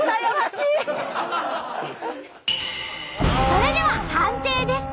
それでは判定です。